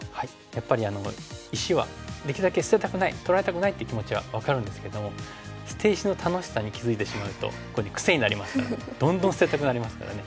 やっぱり石はできるだけ捨てたくない取られたくないっていう気持ちは分かるんですけども捨て石の楽しさに気付いてしまうと癖になりますからどんどん捨てたくなりますからね。